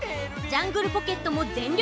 ジャングルポケットもぜんりょ